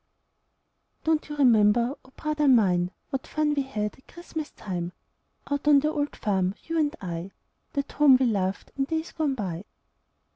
Don't you remember, oh, brother mine! What fun we had at Christmas time, Out on the old farm, you and I That home we loved in days gone by?